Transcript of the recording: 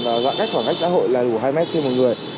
và giãn cách khoảng cách xã hội là đủ hai mét trên một người